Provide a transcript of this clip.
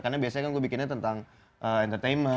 karena biasanya kan gue bikinnya tentang entertainment